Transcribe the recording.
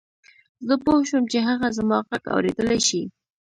زه پوه شوم چې هغه زما غږ اورېدلای شي